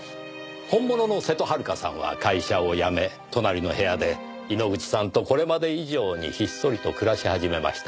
本物の瀬戸はるかさんは会社を辞め隣の部屋で猪口さんとこれまで以上にひっそりと暮らし始めました。